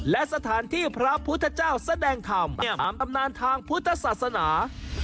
และสถานที่พระพุทธเจ้าแสดงธรรมตามตำนานทางพุทธศาสนา